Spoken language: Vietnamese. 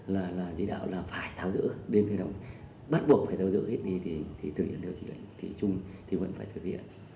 là chỉ đạo là phải tháo dỡ bắt buộc phải tháo dỡ hết thì thực hiện theo chỉ định thì chung thì vẫn phải thực hiện